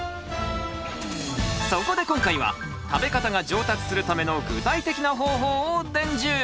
そこで今回は食べ方が上達するための具体的な方法を伝授！